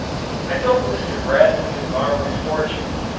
I told Mr. Bradley of our misfortune.